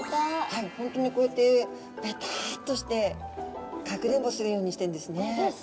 はいホントにこうやってベタッとしてかくれんぼするようにしてんですね。